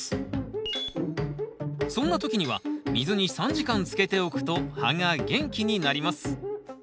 そんな時には水に３時間つけておくと葉が元気になります。